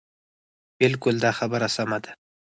بلکل دا خبره سمه ده.